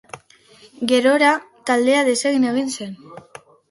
Gerora taldea desegin egin zen.